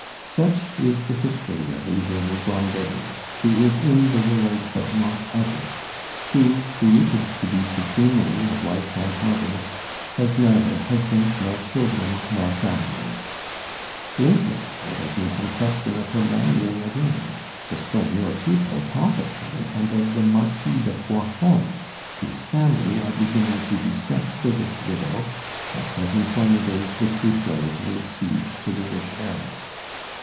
Such is the history of Eugenie Grandet, who is in the world but not of it; who, created to be supremely a wife and mother, has neither husband nor children nor family. Lately there has been some question of her marrying again. The Saumur people talk of her and of the Marquis de Froidfond, whose family are beginning to beset the rich widow just as, in former days, the Cruchots laid siege to the rich heiress.